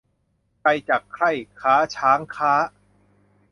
ใครจักใคร่ค้าช้างค้า